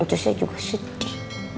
cusnya juga sedih